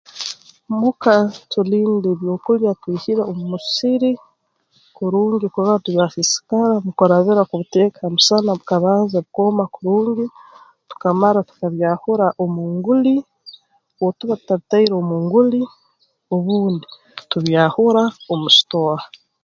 Muka tulinda ebyokulya twihire omu musiri kurungi kurora tibyasisikara mu kurabira kubiteeka ha musana bikabanza bikooma kurungi tukamara tukabyahura omu nguli obu tuba tutabitaire omu nguli obundi tubyahura omu sitooha